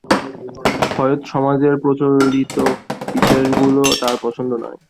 হয়ত সমাজের প্রচলিত বিশ্বাসগুলো তার পছন্দ নয়।